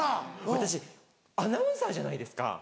私アナウンサーじゃないですか。